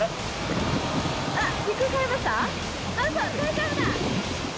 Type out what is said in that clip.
大丈夫だ！